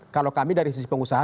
kalau kami dari sisi pengusaha